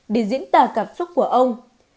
để diễn tả cảm xúc của ông